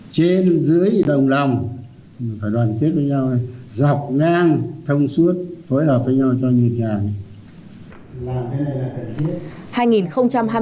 trên dưới đồng lòng phải đoàn kết với nhau dọc ngang thông suốt phối hợp với nhau cho nhịp nhàng